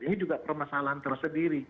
ini juga permasalahan tersendiri